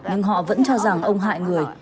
nhưng họ vẫn cho rằng ông hại người